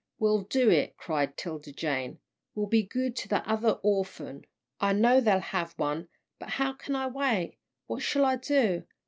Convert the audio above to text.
"We'll do it," cried 'Tilda Jane. "We'll be good to that other orphan. I know they'll have one, but how can I wait? What shall I do?